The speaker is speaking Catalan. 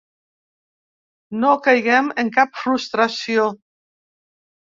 No caiguem en cap frustració.